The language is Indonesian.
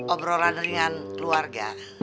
obrolan dengan keluarga